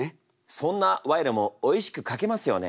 そんな賄賂もおいしく書けますよね？